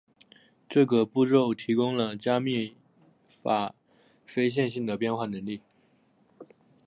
这个步骤提供了加密法非线性的变换能力。